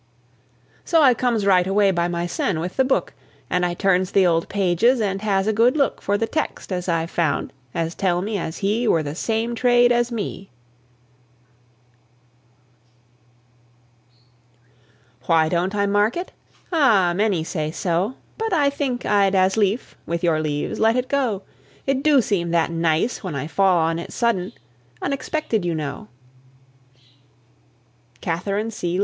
So I comes right away by mysen, with the book, And I turns the old pages and has a good look For the text as I've found, as tells me as He Were the same trade as me. Why don't I mark it? Ah, many say so, But I think I'd as lief, with your leaves, let it go: It do seem that nice when I fall on it sudden Unexpected, you know! CATHERINE C.